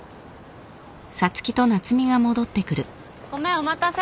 ・ごめんお待たせ。